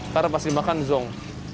taruh pasti makan zonk